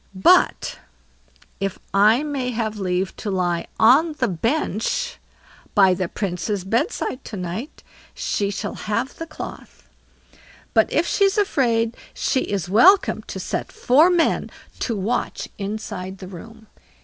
"But if I may have leave to lie on the bench by the Princess' bed side to night, she shall have the cloth; but if she's afraid, she is welcome to set four men to watch inside the room."